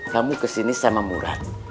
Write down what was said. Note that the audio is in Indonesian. kamu kesini sama murad